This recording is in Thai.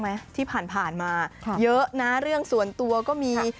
พี่แขคบ้างมั้ยที่ผ่านมาเยอะนะเรื่องส่วนตัวก็มี